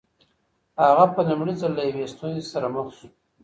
هغه په لومړي ځل له یوې ستونزې سره مخ سو.